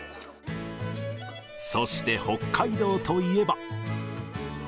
そして北海道といえば。